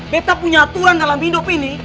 kita punya aturan dalam hidup ini